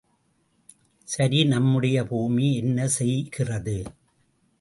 சரி, நம்முடைய பூமி, என்ன செய்கிறது?